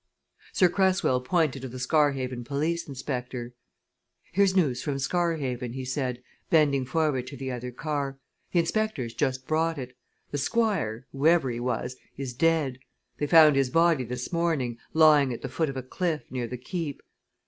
Sir Cresswell pointed to the Scarhaven police inspector. "Here's news from Scarhaven," he said, bending forward to the other car, "The inspector's just brought it. The Squire whoever he was is dead. They found his body this morning, lying at the foot of a cliff near the Keep.